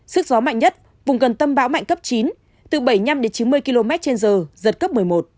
sức gió mạnh nhất vùng gần tâm bão mạnh cấp chín từ bảy mươi năm đến chín mươi km trên giờ giật cấp một mươi một